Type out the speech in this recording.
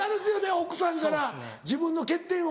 奥さんから自分の欠点を。